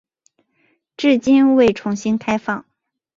至今未重新开放。